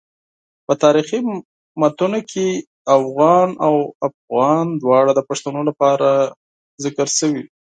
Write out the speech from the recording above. په تاریخي متونو کې اوغان او افغان دواړه د پښتنو لپاره ذکر شوي.